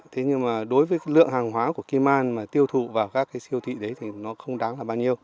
thế nhưng mà đối với lượng hàng hóa của kim an mà tiêu thụ vào các cái siêu thị đấy thì nó không đáng là bao nhiêu